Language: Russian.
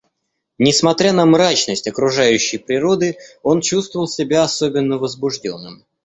Несмотря на мрачность окружающей природы, он чувствовал себя особенно возбужденным.